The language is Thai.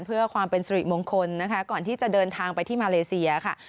เพื่อความเป็นสิริมงคลนะคะก่อนที่จะเดินทางไปที่มาเลเซียค่ะ